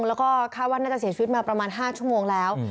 แล้วก็คาดว่าน่าจะเสียชีวิตมาประมาณ๕ชั่วโมงแล้ว